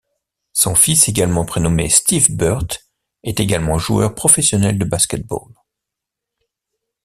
Son fils, également prénommé Steve Burtt, est également joueur professionnel de basket-ball.